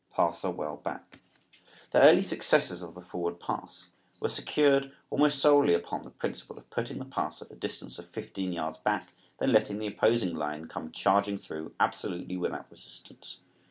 PASSER WELL BACK. The early successes of the forward pass were secured almost solely upon the principle of putting the passer a distance of fifteen yards back, then letting the opposing line come charging through absolutely without resistance.